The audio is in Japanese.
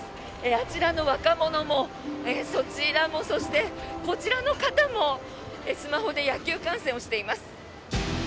あちらの若者もそちらも、そしてこちらの方もスマホで野球観戦をしています。